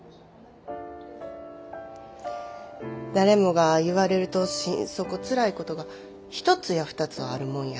誰もが言われると心底つらいことが一つや二つはあるもんや。